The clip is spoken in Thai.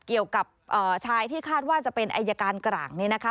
เกี่ยวกับชายที่คาดว่าจะเป็นอายการกลางนี่นะคะ